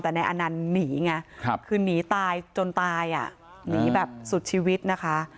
แต่นายอนันต์หนีไงคือหนีตายจนตายอ่ะหนีแบบสุดชีวิตนะคะ